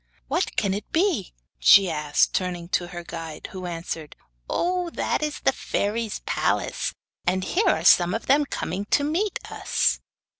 'What can it be?' she asked, turning to her guide; who answered: 'Oh, that is the fairies' palace, and here are some of them coming to meet us.